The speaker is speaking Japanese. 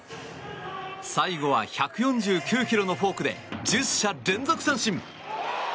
最後は１４９ｋｍのフォークで１０者連続三振。